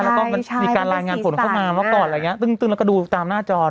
แล้วก็มีการรายงานผลเข้ามาเมื่อก่อนตึ๊งแล้วก็ดูตามหน้าจร